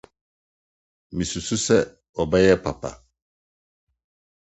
Misusuw sɛ ɛbɛyɛ papa.